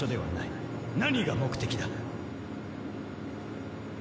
何が目的だ？